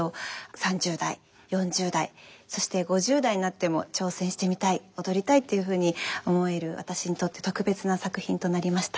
３０代４０代そして５０代になっても挑戦してみたい踊りたいっていうふうに思える私にとって特別な作品となりました。